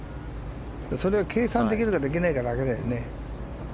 それを計算できるかできないかってだけだよね。